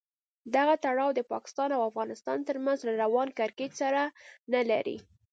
دغه تړاو د پاکستان او افغانستان تر منځ له روان کړکېچ سره نه لري.